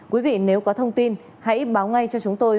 quý vị nếu có thông tin hãy báo ngay cho chúng tôi